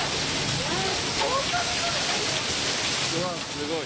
すごい。